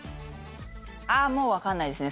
ああもうわかんないですね